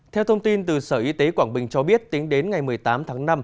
theo thông tin từ sở y tế quảng bình cho biết tính đến ngày một mươi tám tháng năm